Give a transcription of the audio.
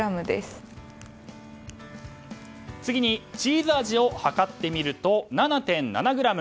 次にチーズ味を量ってみると７．７ｇ。